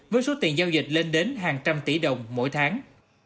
với số tiền giao dịch lên đến hàng trăm tỷ đồng mỗi tháng